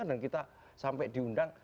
dan kita sampai diundang